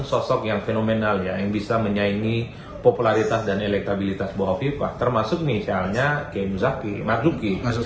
sosok yang fenomenal yang bisa menyaingi popularitas dan elektabilitas bahwa viva termasuk misalnya kiai muzaki marzuki